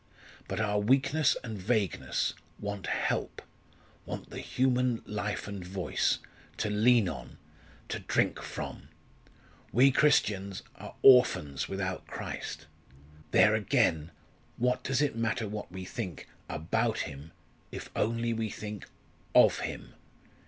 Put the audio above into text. But our weakness and vagueness want help want the human life and voice to lean on to drink from. We Christians are orphans without Christ! There again what does it matter what we think about him if only we think of him.